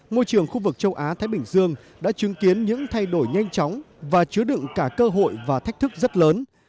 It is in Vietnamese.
môi trường khu vực châu á thái bình dương đã chứng kiến những thay đổi nhanh chóng và chứa đựng cả cơ hội và thách thức rất lớn